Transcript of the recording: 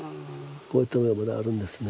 こういったものがまだあるんですね。